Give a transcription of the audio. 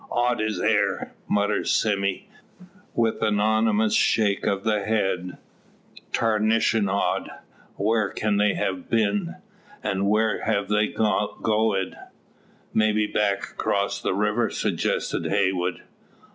"Odd it air!" mutters Sime, with an ominous shake of the head. "Tarnashun odd! Whar kin they hev been, an' whar hev they goed?" "Maybe back, across the river?" suggests Heywood.